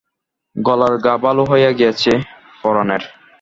গলার ঘা ভালো হইয়া গিয়াছে পরানের।